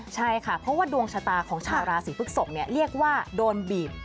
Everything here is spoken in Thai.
ใช่ค่ะเพราะว่าดวงชะตาของชาวราศีพฤกษกเรียกว่าโดนบีบ